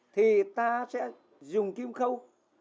thì ta sẽ dùng kim khâu